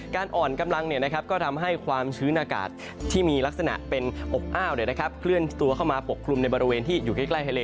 อ่อนกำลังก็ทำให้ความชื้นอากาศที่มีลักษณะเป็นอบอ้าวเคลื่อนตัวเข้ามาปกคลุมในบริเวณที่อยู่ใกล้ทะเล